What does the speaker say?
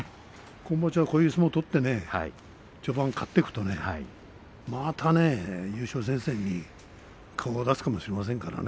今場所はこういう相撲取って序盤勝っていくと、また優勝戦線に顔出すかもしれませんからね。